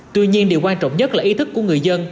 tuy nhiên điều quan trọng nhất là ý thức của người dân